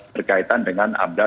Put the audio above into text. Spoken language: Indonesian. berkaitan dengan amdal